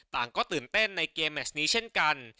ต่างก็ตื่นเต้นในเกมแมชนี้เช่นกัน